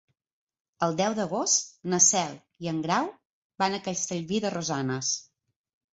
El deu d'agost na Cel i en Grau van a Castellví de Rosanes.